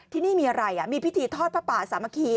ที่นี่มีอะไรมีพิธีทอดพระป่าสามัคคี